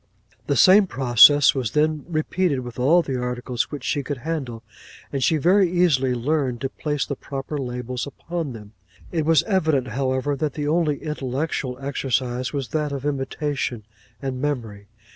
'The same process was then repeated with all the articles which she could handle; and she very easily learned to place the proper labels upon them. It was evident, however, that the only intellectual exercise was that of imitation and memory.